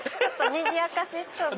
にぎやかしに。